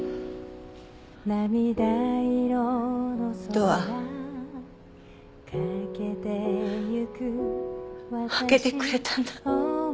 ドア開けてくれたんだ。